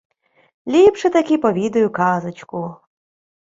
— Ліпше-таки повідаю казочку.